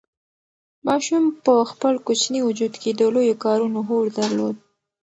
ماشوم په خپل کوچني وجود کې د لویو کارونو هوډ درلود.